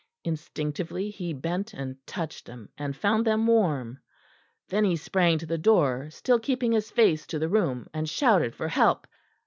Instinctively he bent and touched them, and found them warm; then he sprang to the door, still keeping his face to the room, and shouted for help.